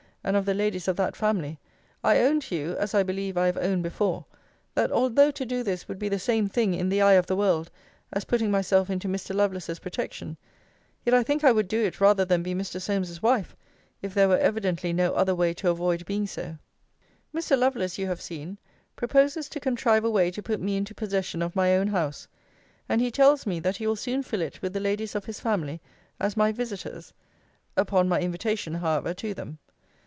and of the ladies of that family, I own to you, (as I believe I have owned before,) that although to do this would be the same thing in the eye of the world as putting myself into Mr. Lovelace's protection, yet I think I would do it rather than be Mr. Solmes's wife, if there were evidently no other way to avoid being so. Mr. Lovelace, you have seen, proposes to contrive a way to put me into possession of my own house; and he tells me, that he will soon fill it with the ladies of his family, as my visiters; upon my invitation, however, to them.